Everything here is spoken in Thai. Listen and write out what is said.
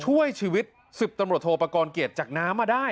ช่วยชีวิตสืบตำรวจโทรประกอลเกียจจากน้ำมาได้